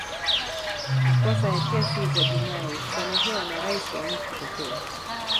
makosa ya kesi za jinai husamehewa na rais wa nchi pekee